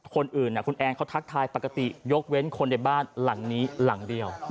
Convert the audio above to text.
คนอื่นคุณแอนเขาทักทายปกติยกเว้นคนในบ้านหลังนี้หลังเดียว